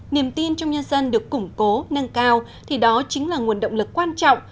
niềm tin trong nhân dân được củng cố nâng cao thì đó chính là nguồn động lực quan trọng